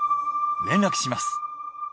「連絡します」。